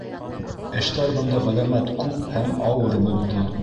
— Эштәр бында ғәләмәт күп һәм ауыр булды.